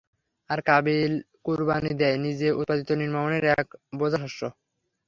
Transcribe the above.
আর কাবীল কুরবানী দেয় নিজের উৎপাদিত নিম্নমানের এক বোঝা শস্য।